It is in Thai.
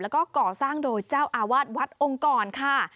แล้วก็ก่อสร้างโดยเจ้าอาวาสวัดองค์กรค่ะ